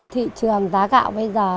thị trường giá gạo bây giờ